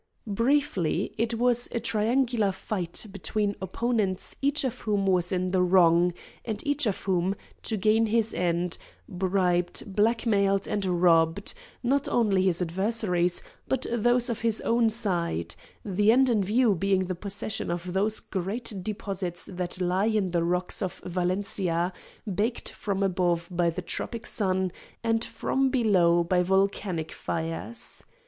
Briefly, it was a triangular fight between opponents each of whom was in the wrong, and each of whom, to gain his end, bribed, blackmailed, and robbed, not only his adversaries, but those of his own side, the end in view being the possession of those great deposits that lie in the rocks of Valencia, baked from above by the tropic sun and from below by volcanic fires.